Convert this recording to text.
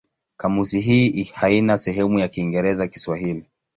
Kamusi hii haina sehemu ya Kiingereza-Kiswahili.